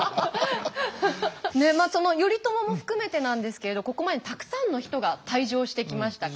その頼朝も含めてなんですけれどここまでたくさんの人が退場してきました